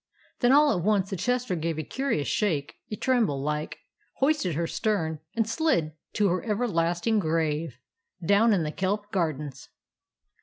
"Then all at once the Chester gave a curi ous shake, a tremble, like; hoisted her stem; and slid to her everlasting grave, down in the kelp gardens.